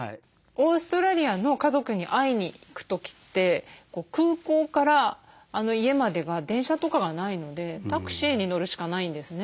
オーストラリアの家族に会いに行く時って空港から家までが電車とかがないのでタクシーに乗るしかないんですね。